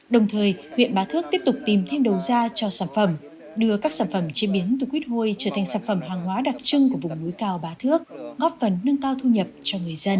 đồng thời huyện bá thước tiếp tục tìm thêm đầu ra cho sản phẩm đưa các sản phẩm chế biến từ quyết huôi trở thành sản phẩm hàng hóa đặc trưng của vùng núi cao bá thước góp phần nâng cao thu nhập cho người dân